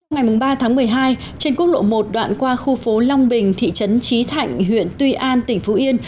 ngày ba tháng một mươi hai trên quốc lộ một đoạn qua khu phố long bình thị trấn trí thạnh huyện tuy an tỉnh phú yên